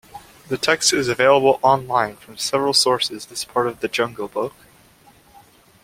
The text is available on-line from several sources as part of "The Jungle Book".